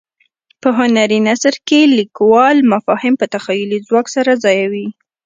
په هنري نثر کې لیکوال مفاهیم په تخیلي ځواک سره ځایوي.